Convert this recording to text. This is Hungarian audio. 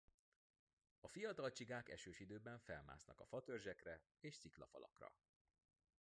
A fiatal csigák esős időben felmásznak a fatörzsekre és sziklafalakra.